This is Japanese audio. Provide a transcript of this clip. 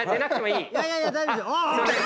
いやいや大丈夫ですよ。